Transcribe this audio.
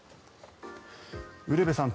ウルヴェさん